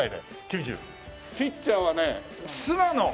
ピッチャーはね菅野。